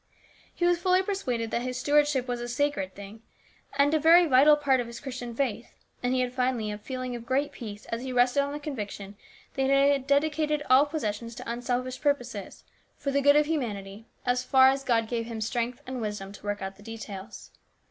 He was fully persuaded that his stewardship was a sacred thing, and a very vital part of his Christian faith, and he finally had a feeling of great peace as he rested on the con viction that he had dedicated all possessions to unselfish purposes, for the good of humanity, as far STEWARDSHIP. 311 as God gave him strength and wisdom to work out the details.